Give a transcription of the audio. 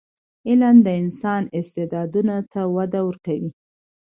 علم د انسان استعدادونو ته وده ورکوي.